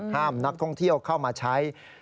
ห้ามนักท่องเที่ยวเข้ามาใช้